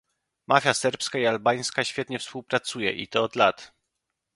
Mafia serbska i albańska świetnie współpracuje, i to od lat"